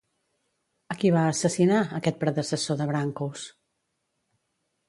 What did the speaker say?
A qui va assassinar, aquest predecessor de Brancos?